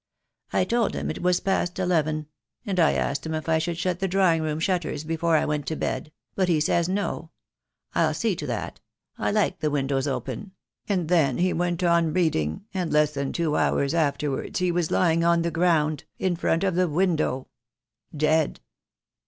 I told him it was past eleven, and I asked if I should shut the drawing room shutters before I went to bed, but he says 'No, I'll see to that — I like the windows open,' and then he went on reading, and less than two hours afterwards he was lying on the ground, in front of the window — dead."